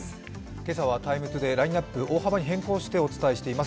今朝は「ＴＩＭＥ，ＴＯＤＡＹ」ラインナップ、大幅に変更してお送りしています。